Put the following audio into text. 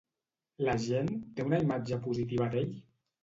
La gent té una imatge positiva d'ell?